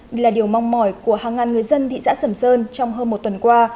đây là điều mong mỏi của hàng ngàn người dân thị xã sầm sơn trong hơn một tuần qua